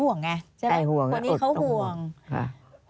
อันดับ๖๓๕จัดใช้วิจิตร